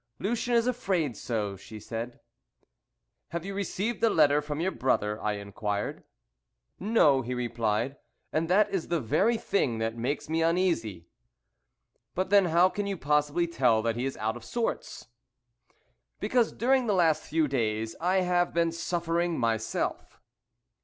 "Lucien is afraid so," she said. "Have you received a letter from your brother?" I inquired. "No," he replied, "and that is the very thing that makes me uneasy." "But, then, how can you possibly tell that he is out of sorts?" "Because during the last few days I have been suffering myself."